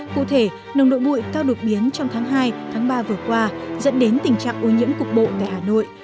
cụ thể nồng đội bụi cao đột biến trong tháng hai tháng ba vừa qua dẫn đến tình trạng ô nhiễm cục bộ tại hà nội